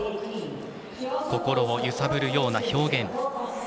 心を揺さぶるような表現。